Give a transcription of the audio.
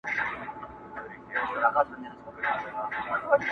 خدایه خواست درته کومه ما خو خپل وطن ته بوزې٫